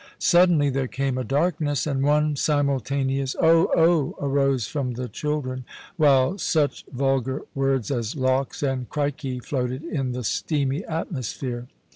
Suddenly there came a darkness, and one simultaneous " Oh ! oh !" arose from the children, while such vulgar words as " Lawks !" and " Crikey !" floated in the steamy atmosphere.